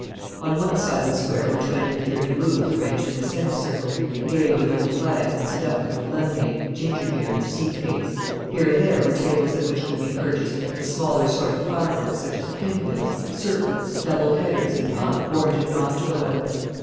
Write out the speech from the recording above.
On one side of the Square were twenty or thirty booths arranged in a semi circle, gay with little flags and seductive with lemonade, ginger beer, and seedcakes. Here and there were tables at which could be purchased the smaller sort of fireworks, such as pin wheels, serpents, double headers, and punk warranted not to go out.